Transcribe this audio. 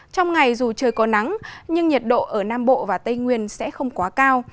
trong ngày dù trời có nắng nhưng nhiệt độ ở nam bộ và tây nguyên sẽ không quá cao